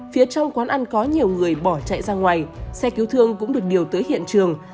phía trong quán ăn có nhiều người bỏ chạy ra ngoài xe cứu thương cũng được điều tới hiện trường